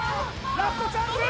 ラストチャンス！